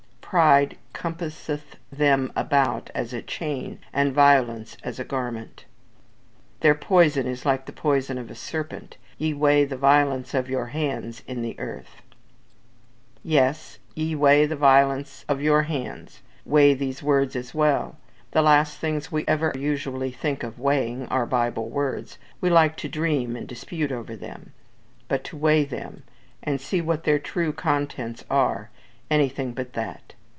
"Pride compasseth them about as a chain, and violence as a garment." "Their poison is like the poison of a serpent. Ye weigh the violence of your hands in the earth." Yes: "Ye weigh the violence of your hands:" weigh these words as well. The last things we ever usually think of weighing are Bible words. We like to dream and dispute over them; but to weigh them, and see what their true contents are anything but that.